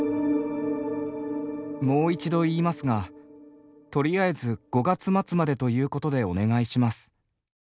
「もう一度言いますがとりあえず５月末までと言うことでお願いします。」